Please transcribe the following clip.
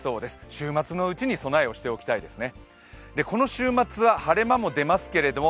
週末のうちに備えをしておきたいですね。